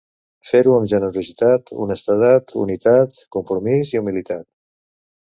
Fem-ho amb generositat, honestedat, unitat, compromís i humilitat.